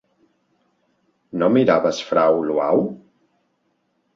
No miraves “Frau Luau”?